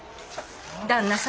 旦那様